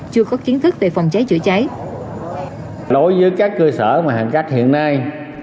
chưa có kiến thức về phòng cháy chữa cháy